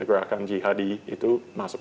gerakan jihadi itu masuk